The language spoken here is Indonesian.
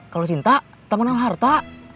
kalau cinta temen nang harta